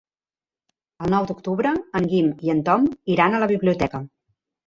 El nou d'octubre en Guim i en Tom iran a la biblioteca.